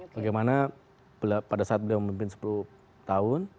bagaimana pada saat beliau memimpin sepuluh tahun